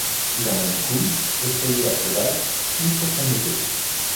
Il emmène Kun effrayé à cheval, puis sur sa moto.